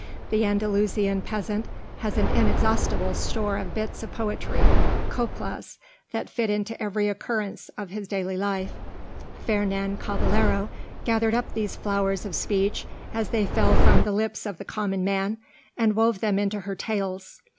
The Andalusian peasant has an inexhaustible store of bits of poetry, coplas, that fit into every occurrence of his daily life. Fernan Caballero gathered up these flowers of speech as they fell from the lips of the common man, and wove them into her tales.